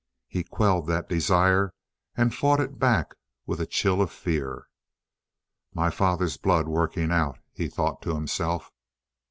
He quelled that desire and fought it back with a chill of fear. "My father's blood working out!" he thought to himself.